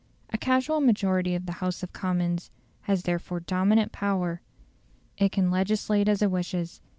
A casual majority of the House of Commons has therefore dominant power: it can legislate as it wishes.